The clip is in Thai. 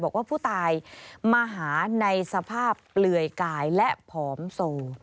บอกว่าผู้ตายมาหาในสภาพเปลือยกายและผอมโซ